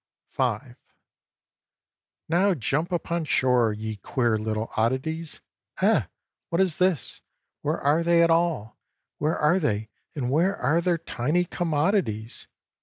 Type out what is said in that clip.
V "Now, jump upon shore, ye queer little oddities, Eh! what is this? Where are they, at all? Where are they, and where are their tiny commodities?